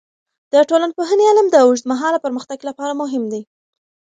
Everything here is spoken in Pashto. د ټولنپوهنې علم د اوږدمهاله پرمختګ لپاره مهم دی.